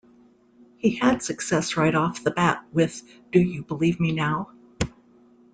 He had success right off the bat with Do You Believe Me Now.